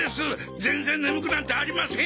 全然眠くなんてありません！